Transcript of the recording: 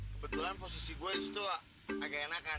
kebetulan posisi gue itu agak enak kan